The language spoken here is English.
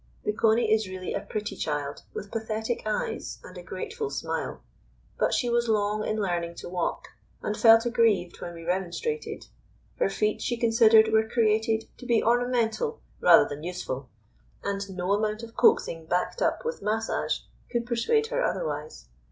The Coney is really a pretty child with pathetic eyes and a grateful smile; but she was long in learning to walk, and felt aggrieved when we remonstrated. Her feet, she considered, were created to be ornamental rather than useful, and no amount of coaxing backed up with massage could persuade her otherwise.